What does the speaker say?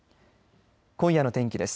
今夜の天気です。